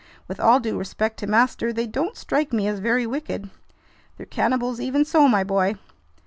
"With all due respect to master, they don't strike me as very wicked!" "They're cannibals even so, my boy."